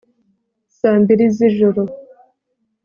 Saa mbiri z ijoro